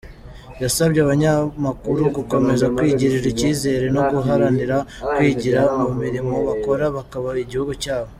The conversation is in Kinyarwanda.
Yasabye abanyamakuru gukomeza kwigirira icyizere no guharanira kwigira mu mirimo bakora, bubaka igihugu cyabo.